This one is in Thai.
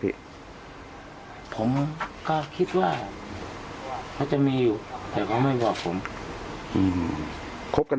ผมก็คิดว่าเขาจะมีอยู่แต่เขาไม่บอกผมคบกัน